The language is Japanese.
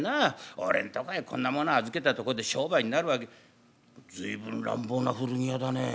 俺んとこへこんなもの預けたとこで商売になるわけ随分乱暴な古着屋だねえ。